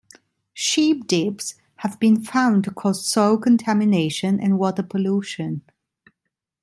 Sheep dips have been found to cause soil contamination and water pollution.